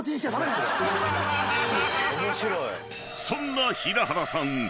［そんな平原さん